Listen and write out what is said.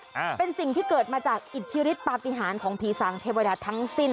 อ่าเป็นสิ่งที่เกิดมาจากอิทธิฤทธปฏิหารของผีสางเทวดาทั้งสิ้น